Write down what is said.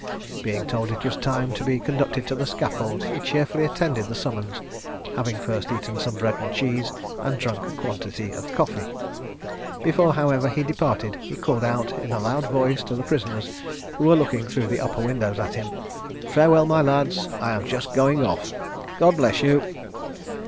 Being told it was time to be conducted to the scaffold, he cheerfully attended the summons, having first eaten some bread and cheese, and drunk a quantity of coffee. Before, however, he departed, he called out in a loud voice to the prisoners, who were looking through the upper windows at him, "Farewell, my lads; I am just going off: God bless you."